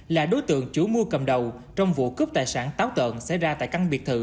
là đối tượng chủ mua cầm đầu trong vụ cướp tài sản táo tợn xảy ra tại căn biệt thự